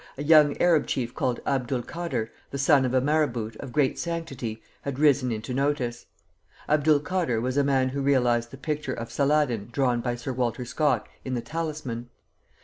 ] In 1834, a young Arab chief called Abdul Kader, the son of a Marabout of great sanctity, had risen into notice. Abdul Kader was a man who realized the picture of Saladin drawn by Sir Walter Scott in the "Talisman."